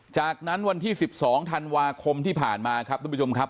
จากนั้นวันที่๑๒ธันวาคมที่ผ่านมาครับทุกผู้ชมครับ